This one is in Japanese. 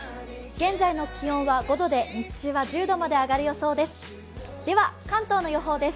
現在の気温は５度で日中は１０度まで上がる予想です。